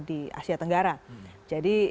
di asia tenggara jadi